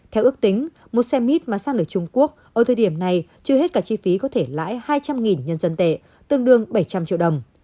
theo ước tính một xe mít mà sang người trung quốc ở thời điểm này chưa hết cả chi phí có thể lãi hai trăm linh nhân dân tệ tương đương bảy trăm linh triệu đồng